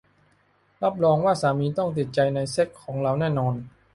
รับรองว่าสามีต้องติดใจในเซ็กส์ของเราแน่นอน